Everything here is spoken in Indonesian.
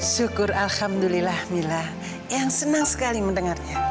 syukur alhamdulillah mila yang senang sekali mendengarnya